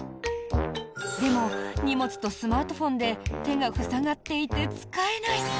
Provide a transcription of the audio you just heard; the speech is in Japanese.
でも、荷物とスマートフォンで手が塞がっていて使えない。